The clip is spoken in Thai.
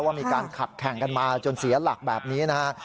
ว่ามีการขับแข่งกันมาจนเสียหลักแบบนี้นะฮะ